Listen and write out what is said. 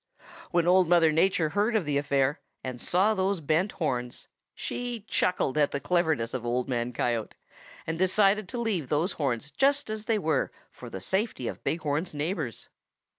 "When Old Mother Nature heard of the affair and saw those bent horns, she chuckled at the cleverness of Old Man Coyote and decided to leave those horns just as they were for the safety of Big Horn's neighbors.